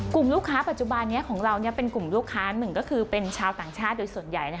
กลุ่มลูกค้าปัจจุบันนี้ของเราเป็นกลุ่มลูกค้าหนึ่งก็คือเป็นชาวต่างชาติโดยส่วนใหญ่